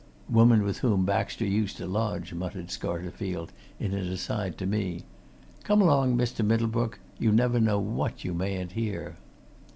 "Woman with whom Baxter used to lodge," muttered Scarterfield, in an aside to me. "Come along, Mr. Middlebrook you never know what you mayn't hear."